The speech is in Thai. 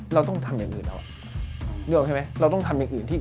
เราต้องทำอื่นอย่างอื่นครับเรื่องต้องทำอย่างอื่นที่